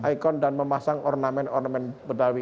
ikon dan memasang ornamen ornamen betawi